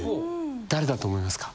誰だと思いますか？